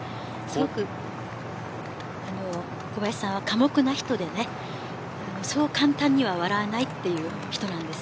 小林さんは寡黙な人でそう簡単には笑わないという人です。